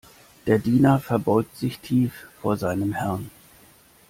Der Diener verbeugt sich tief vor seinem Herrn.